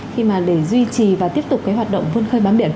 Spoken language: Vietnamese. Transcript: khi mà để duy trì và tiếp tục cái hoạt động vươn khơi bám biển